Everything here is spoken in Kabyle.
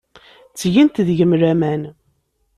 Ttgent deg-m laman.